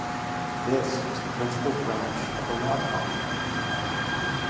This is the principal branch of the log function.